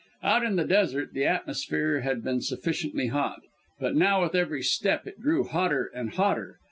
Out in the desert the atmosphere had been sufficiently hot, but now with every step it grew hotter and hotter.